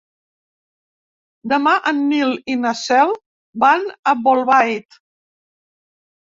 Demà en Nil i na Cel van a Bolbait.